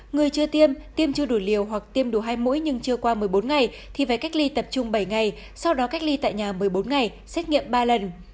người chưa tiêm tiêm chưa đủ liều hoặc tiêm đủ hai mũi nhưng chưa qua một mươi bốn ngày thì phải cách ly tập trung bảy ngày sau đó cách ly tại nhà một mươi bốn ngày xét nghiệm ba lần